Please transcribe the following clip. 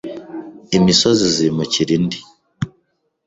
imisozi izimukira indi,